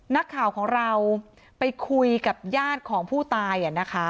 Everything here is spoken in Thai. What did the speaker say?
นักข่าวของเราไปคุยกับญาติของผู้ตาย